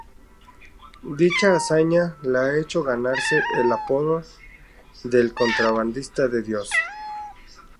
Dicha hazaña le ha hecho ganarse el apodo de "El contrabandista de Dios".